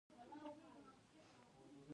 کله چې افغانستان کې ولسواکي وي جوماتونه ډک وي.